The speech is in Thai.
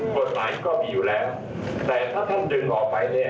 กฎหมายก็มีอยู่แล้วแต่ถ้าท่านดึงออกไปเนี่ย